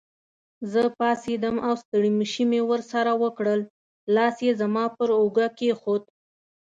زه پاڅېدم او ستړي مشي مې ورسره وکړل، لاس یې زما پر اوږه کېښود.